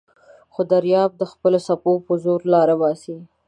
خو دریاب د خپلو څپو په زور لاره باسي.